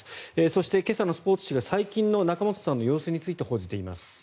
そして、今朝のスポーツ紙が最近の仲本さんの様子について報じています。